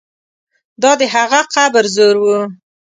دا د هغه قبر زور وو.